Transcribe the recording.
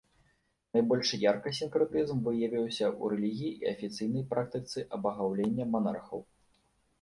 Найбольш ярка сінкрэтызм выявіўся ў рэлігіі і афіцыйнай практыцы абагаўлення манархаў.